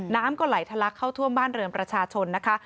น้ำก็ไหลทะลักเข้าท่วมบ้านเรือนประชาชนนะคะ